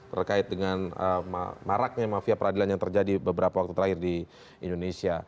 terkait dengan maraknya mafia peradilan yang terjadi beberapa waktu terakhir di indonesia